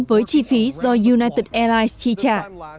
với chi phí do united airlines chi trả